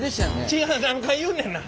違う何回言うねんな。